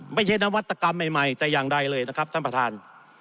ไม่ใช่นวัตกรรมใหม่แต่อย่างใดเลยท่านประธาน